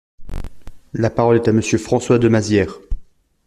La parole est à Monsieur François de Mazières.